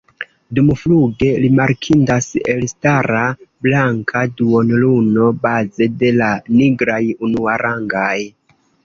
Dumfluge rimarkindas elstara blanka duonluno, baze de la nigraj unuarangaj.